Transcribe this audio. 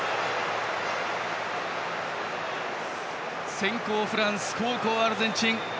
先攻、フランス後攻、アルゼンチン。